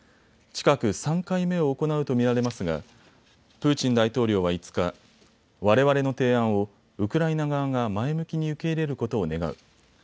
近く３回目を行うと見られますがプーチン大統領は５日、われわれの提案をウクライナ側が前向きに受け入れることを願う。